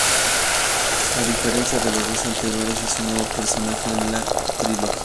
A diferencia de los dos anteriores es un nuevo personaje en la trilogía.